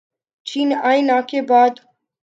چین آئے نہ کے بعد